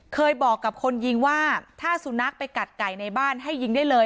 เคยบอกกับคนยิงว่าถ้าสุนัขไปกัดไก่ในบ้านให้ยิงได้เลย